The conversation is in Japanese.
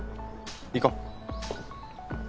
行こう。